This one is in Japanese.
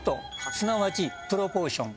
すなわちプロポーション。